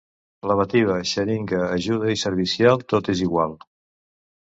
Lavativa, xeringa, ajuda i servicial tot és igual.